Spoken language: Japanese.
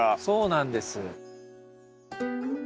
そうなんです。